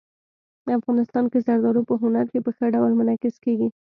افغانستان کې زردالو په هنر کې په ښه ډول منعکس کېږي.